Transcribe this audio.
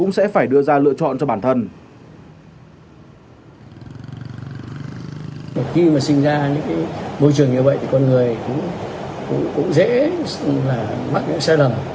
người ta vượt đèn đỏ